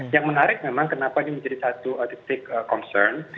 yang menarik memang kenapa ini menjadi satu titik concern